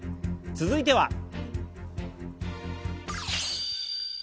続いては。